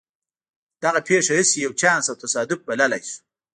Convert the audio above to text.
دغه پېښه هسې يو چانس او تصادف بللای شو.